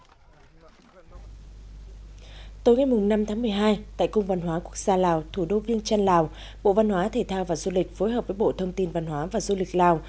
tối ngày năm tháng một mươi hai tại cung văn hóa quốc gia lào thủ đô viêng trăn lào bộ văn hóa thể thao và du lịch phối hợp với bộ thông tin văn hóa và du lịch lào